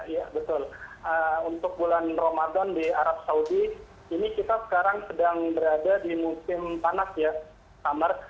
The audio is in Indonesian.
iya betul untuk bulan ramadan di arab saudi ini kita sekarang sedang berada di musim panas ya summer